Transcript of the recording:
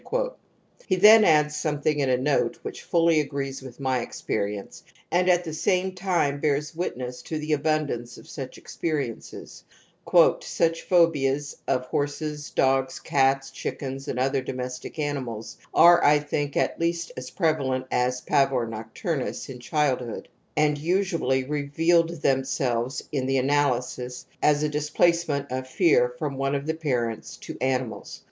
He then adds something in a note which fully agrees with my experience and at the same time bears witness to the abimdance of such experiences :" such phobias (of horses, dogs, cats, chickens and other domestic animals) are, I think, at least as prevalent as pavor noclurnus in childhood, and usually reveal themselves in the analysis as aklisplaceixient of fear from one of the parents to animals.